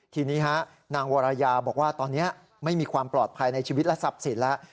ทีนี้นางวรยาบอกว่าตอนนี้ไม่มีความปลอดภัยในชีวิตและทรัพย์สินแล้ว